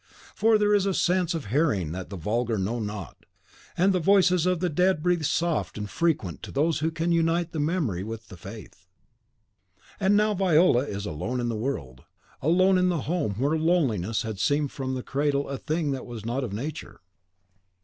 For there is a sense of hearing that the vulgar know not. And the voices of the dead breathe soft and frequent to those who can unite the memory with the faith. And now Viola is alone in the world, alone in the home where loneliness had seemed from the cradle a thing that was not of nature.